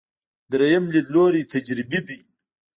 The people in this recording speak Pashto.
درېیم لیدلوری تجربي دی.